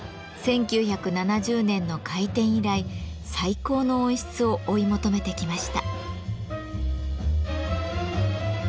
１９７０年の開店以来最高の音質を追い求めてきました。